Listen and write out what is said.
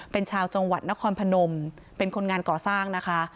เป็นชาวจังหวัดนครพนมเป็นคนงานก่อสร้างนะคะ